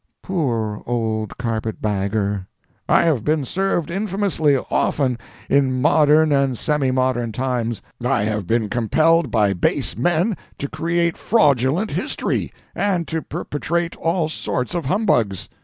"Poor old carpet bagger!" "I have been served infamously, often, in modern and semi modern times. I have been compelled by base men to create fraudulent history, and to perpetrate all sorts of humbugs.